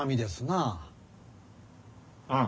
ああ。